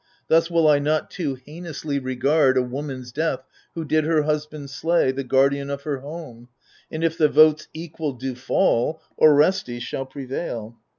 Thus will I not too heinously regard A woman's death who did her husband slay. The guardian of her home ; and if the votes Equal do fall, Orestes shall prevail.